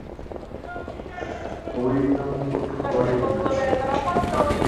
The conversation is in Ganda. Owuliriza mukutu gwa laadiyo ki?